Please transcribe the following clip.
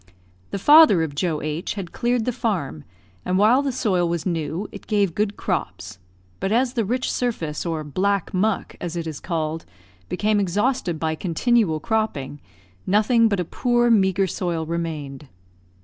The father of Joe H had cleared the farm, and while the soil was new it gave good crops; but as the rich surface, or "black muck," as it is called, became exhausted by continual cropping, nothing but a poor, meagre soil remained.